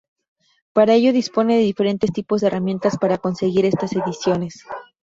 Para ello dispone de diferentes tipos de herramientas para conseguir estas ediciones.